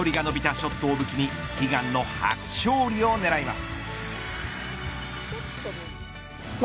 ショットを武器に悲願の初勝利を狙います。